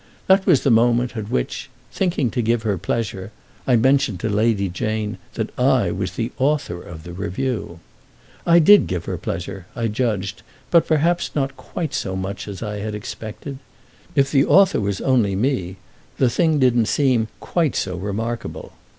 That was the moment at which, thinking to give her pleasure, I mentioned to Lady Jane that I was the author of the review. I did give her pleasure, I judged, but perhaps not quite so much as I had expected. If the author was "only me" the thing didn't seem quite so remarkable.